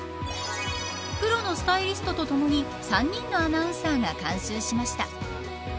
プロのスタイリストと、ともに３人のアナウンサーが監修しました。